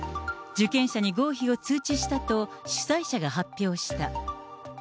受験者に合否を通知したと、主催者が発表した。